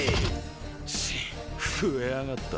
チッ増えやがった。